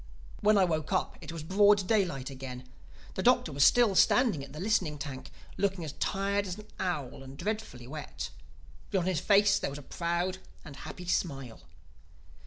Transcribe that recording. When I woke up it was broad daylight again. The Doctor was still standing at the listening tank, looking as tired as an owl and dreadfully wet. But on his face there was a proud and happy smile.